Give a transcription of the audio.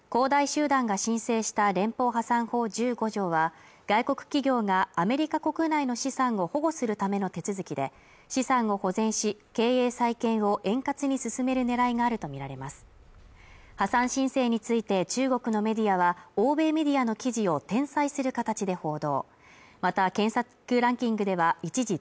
大集団が申請した連邦破産法１５条は外国企業がアメリカ国内の資産を保護するための手続きで資産を保全し経営再建を円滑に進めるねらいがあると見られます破産申請について中国のメディアは欧米メディアの記事を転載する形で報道